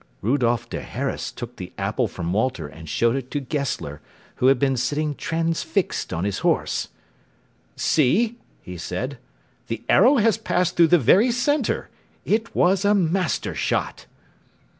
Rudolph der Harras took the apple from Walter and showed it to Gessler, who had been sitting transfixed on his horse. "See," he said, "the arrow has passed through the very centre. It was a master shot."